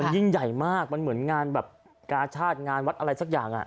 ยิ่งใหญ่มากมันเหมือนงานแบบกาชาติงานวัดอะไรสักอย่าง